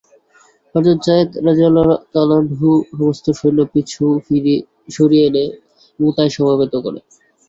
হযরত Zaid রাযিয়াল্লাহু আনহু সমস্ত সৈন্য পিছু সরিয়ে এনে মুতায় সমবেত করে।